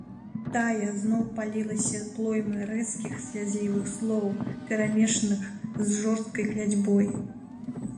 Тая зноў палілася плоймай рэзкіх, слязлівых слоў, перамешаных з жорсткай кляцьбой.